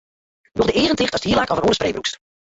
Doch de eagen ticht ast hierlak of in oare spray brûkst.